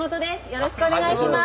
よろしくお願いします。